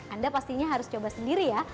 anda pastinya harus coba sendiri ya